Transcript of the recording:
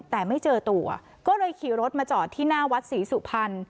แต่ไม่เจอตัวก็เลยขี่รถมาจอดที่หน้าวัดศรีสุพรรณ